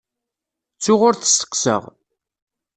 Ttuɣ ur t-sseqsaɣ.